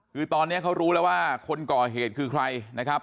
คือตอนนี้เขารู้แล้วว่าคนก่อเหตุคือใครนะครับ